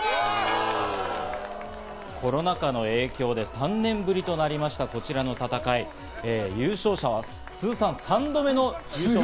コロナ禍の影響で３年ぶりとなりました、こちらの戦い、優勝者は通算３度目の優勝。